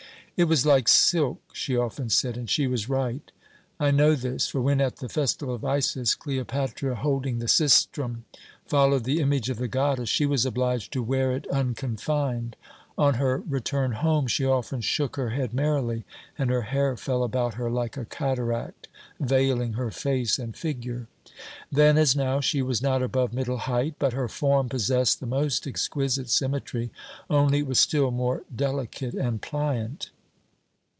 It was like silk, she often said, and she was right. I know this, for when at the festival of Isis, Cleopatra, holding the sistrum, followed the image of the goddess, she was obliged to wear it unconfined. On her return home she often shook her head merrily, and her hair fell about her like a cataract, veiling her face and figure. Then, as now, she was not above middle height, but her form possessed the most exquisite symmetry, only it was still more delicate and pliant.